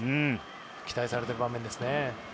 期待されている場面ですね。